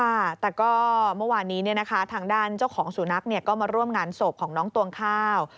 ค่ะแต่ก็เมื่อวานนี้เนี่ยนะคะทางด้านเจ้าของสุนัขก็มาร่วมงานศพของน้องตวงข้าว